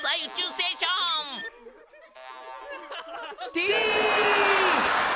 「Ｔ！